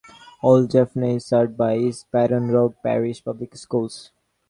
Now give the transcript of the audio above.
Old Jefferson is served by East Baton Rouge Parish Public Schools.